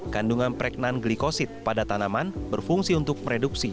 kandungan prek non glikosid pada tanaman berfungsi untuk mereduksi